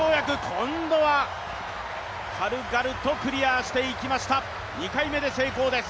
今度は軽々とクリアしていきました、２回目で成功です。